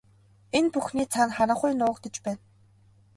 Энэ бүхний цаана харанхуй нуугдаж байна.